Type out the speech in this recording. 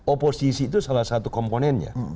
oposisi itu salah satu komponennya